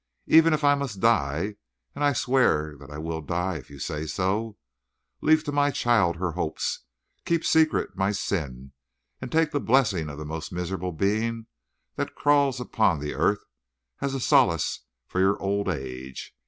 Even if I must die and I swear that I will die if you say so leave to my child her hopes; keep secret my sin, and take the blessing of the most miserable being that crawls upon the earth, as a solace for your old age.